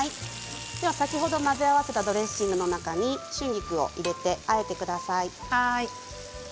先ほど混ぜ合わせたドレッシングの中に春菊を入れてあえてください。